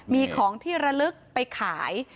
มีของที่ระลึกไปขาย